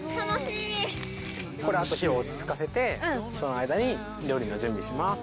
これあと火を落ち着かせてその間に料理の準備します。